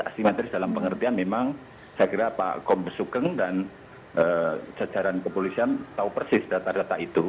asimetris dalam pengertian memang saya kira pak kombes sukeng dan jajaran kepolisian tahu persis data data itu